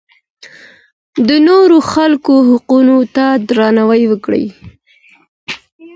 د نورو خلکو حقونو ته درناوی وکړئ.